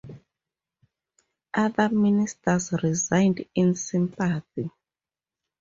Other ministers resigned in sympathy.